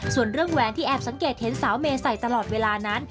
ส่วนเรื่องแหวนที่แอบสังเกตเห็นสาวเมย์ใส่ตลอดเวลานั้น